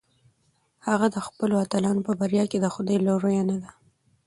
هغه د خپلو اتلانو په بریا کې د خدای لورینه لیده.